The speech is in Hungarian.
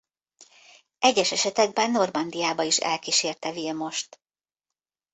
Egyes esetekben Normandiába is elkísérte Vilmost.